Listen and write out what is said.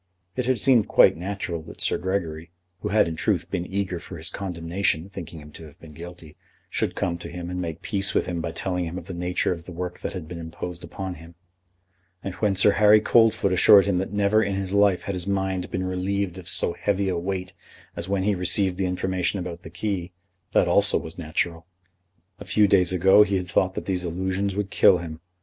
It had seemed quite natural that Sir Gregory, who had in truth been eager for his condemnation, thinking him to have been guilty, should come to him and make peace with him by telling him of the nature of the work that had been imposed upon him; and when Sir Harry Coldfoot assured him that never in his life had his mind been relieved of so heavy a weight as when he received the information about the key, that also was natural. A few days ago he had thought that these allusions would kill him.